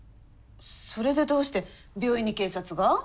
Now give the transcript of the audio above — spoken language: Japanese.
それでどうして病院に警察が？